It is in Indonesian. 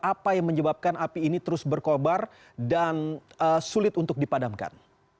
apa yang menyebabkan api ini terus berkobar dan sulit untuk dipadamkan